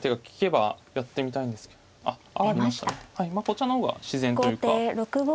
こちらの方が自然というか。